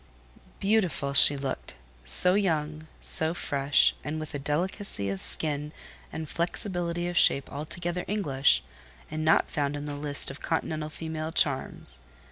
Beautiful she looked: so young, so fresh, and with a delicacy of skin and flexibility of shape altogether English, and not found in the list of continental female charms.